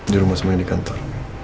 di rumah sama yang di kantor